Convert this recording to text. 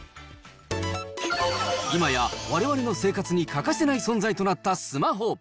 今やわれわれの生活に欠かせない存在となったスマホ。